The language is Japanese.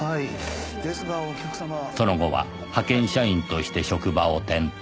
その後は派遣社員として職場を転々